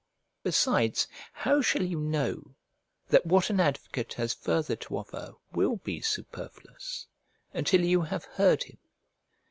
Besides, how shall you know that what an advocate has farther to offer will be superfluous, until you have heard him?